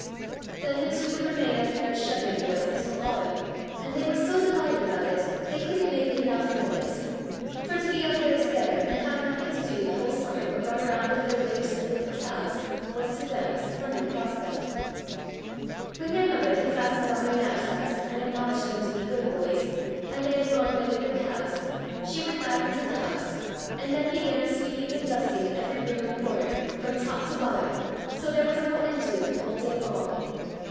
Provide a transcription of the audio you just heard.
Then the two would remain up there as shepherd boys until Autumn, and they were so delighted about it, they couldn't make enough noise; for to be up there together and have nothing to do the whole Summer but run around with their whips and with the cows, was to them a splendid prospect. When their mother had fastened on their knapsacks and admonished them to be good boys, and they had gone away with their cows, she went back into the house, and then began a sweeping and dusting in every room and corner, from top to bottom, so there was no end to it the whole day long.